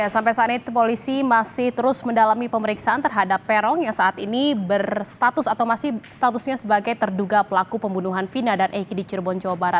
sampai saat ini polisi masih terus mendalami pemeriksaan terhadap perong yang saat ini berstatus atau masih statusnya sebagai terduga pelaku pembunuhan vina